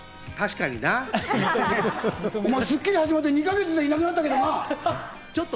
『スッキリ』始まって、２か月でいなくなったけどな！